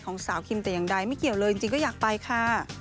สาวคิมแต่อย่างใดไม่เกี่ยวเลยจริงก็อยากไปค่ะ